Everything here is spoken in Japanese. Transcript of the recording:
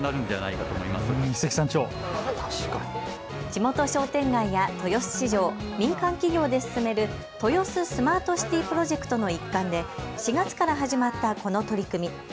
地元商店街や豊洲市場、民間企業で進める豊洲スマートシティプロジェクトの一環で４月から始まったこの取り組み。